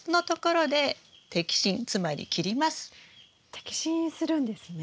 摘心するんですね？